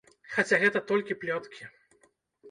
Хаця гэта толькі плёткі.